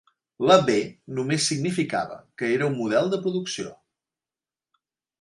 La "B" només significava que era un model de producció.